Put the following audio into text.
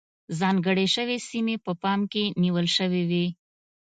ځانګړې شوې سیمې په پام کې نیول شوې وې.